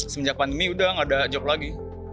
semenjak pandemi sudah tidak ada job lagi